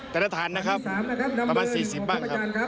ฐานนะครับประมาณ๔๐บ้างครับ